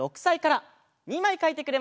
２まいかいてくれました。